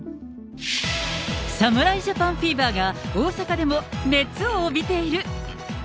侍ジャパンフィーバーが大阪でも熱を帯びている。